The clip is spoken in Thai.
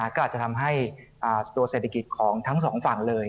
ก็อาจจะทำให้ตัวเศรษฐกิจของทั้งสองฝั่งเลย